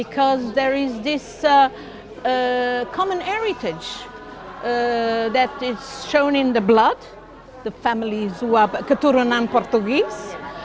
karena ada kehidupan yang berasal dari darah keluarga keturunan portugis